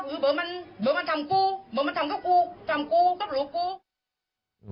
เผื่อมันทำกูเผื่อมันทำก็กูทำกูก็หลุกกู